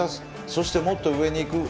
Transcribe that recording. そして、もっと上に行く。